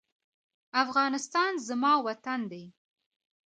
افغانستان زما وطن دی.